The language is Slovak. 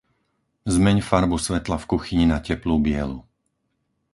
Zmeň farbu svetla v kuchyni na teplú bielu.